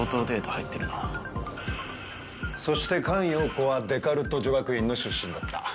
入ってるなそして菅容子はデカルト女学院の出身だった。